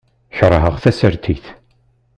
Keṛheɣ tasertit.